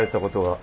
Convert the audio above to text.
あ。